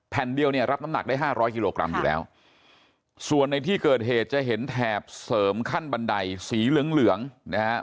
เดียวเนี่ยรับน้ำหนักได้ห้าร้อยกิโลกรัมอยู่แล้วส่วนในที่เกิดเหตุจะเห็นแถบเสริมขั้นบันไดสีเหลืองเหลืองนะฮะ